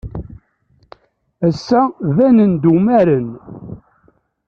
Ass-a, banen-d umaren.